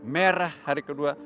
merah hari kedua